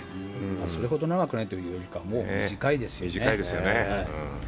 それほど長くないというよりはもう短いですよね。